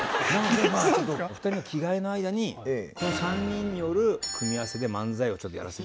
お二人の着替えの間にこの３人による組み合わせで漫才をちょっとやらせて。